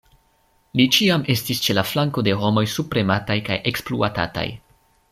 Li ĉiam estis ĉe la flanko de homoj subpremataj kaj ekspluatataj.